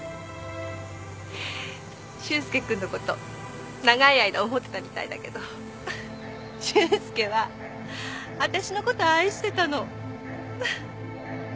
俊介君のこと長い間思ってたみたいだけど俊介はわたしのこと愛してたの